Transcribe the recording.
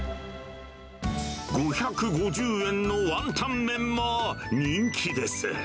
５５０円のワンタンメンも人気です。